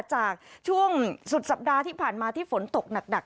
จากช่วงสุดสัปดาห์ที่ผ่านมาที่ฝนตกหนัก